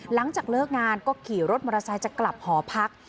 หลังจากเลิกงานก็ขี่รถมอเตอร์ไซค์จะกลับหอพัก